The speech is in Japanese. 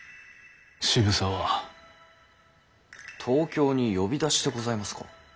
東京に呼び出しでございますか？